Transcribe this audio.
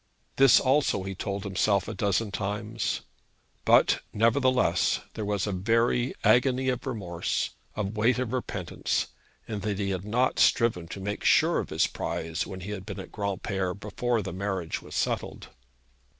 This also he told himself a dozen times. But, nevertheless, there was a very agony of remorse, a weight of repentance, in that he had not striven to make sure of his prize when he had been at Granpere before the marriage was settled.